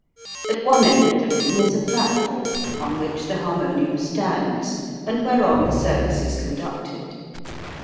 At one end of the room is a platform, on which the harmonium stands, and whereon the service is conducted.